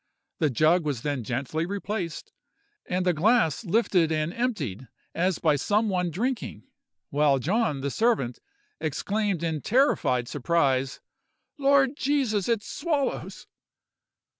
The jug was then gently replaced, and the glass lifted and emptied as by some one drinking; while John, the servant, exclaimed in terrified surprise, 'Lord Jesus! it swallows!